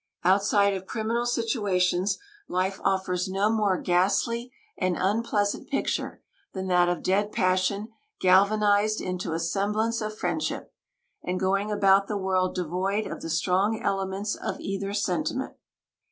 Outside of criminal situations, life offers no more ghastly and unpleasant picture than that of dead passion galvanized into a semblance of friendship, and going about the world devoid of the strong elements of either sentiment.